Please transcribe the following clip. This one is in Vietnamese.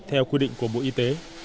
theo quy định của bộ y tế